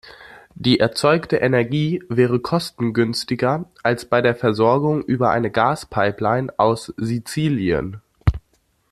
Die erzeugte Energie wäre kostengünstiger als bei der Versorgung über eine Gas-Pipeline aus Sizilien.